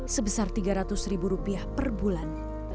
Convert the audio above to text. sebesar tiga ratus ribu rupiah per bulan